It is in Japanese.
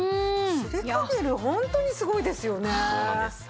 シリカゲルホントにすごいですよね。